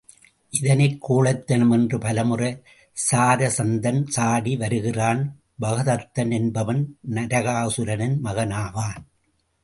இதனைக் கோழைத் தனம் என்று பல முறை சராசந்தன் சாடி வருகிறான். பகதத்தன் என்பவன் நரகாசுரனின் மகனாவான்.